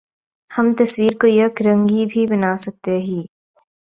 ہم تصویر کو یک رنگی بھی بنا سکتے ہی